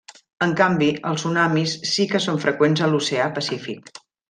En canvi, els tsunamis sí que són freqüents a l'Oceà Pacífic.